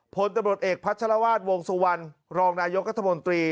พลตำรวจเอกพัชรวาสวงสุวรรณรองนายกรัฐมนตรี